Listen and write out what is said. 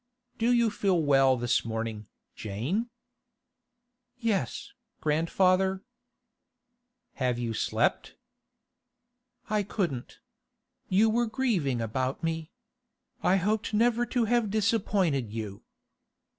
'Do you feel well this morning, Jane?' 'Yes, grandfather.' 'Have you slept?' 'I couldn't. You were grieving about me. I hoped never to have disappointed you.